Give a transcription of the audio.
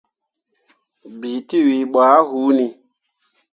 Bii tewii ɓo ah hunni.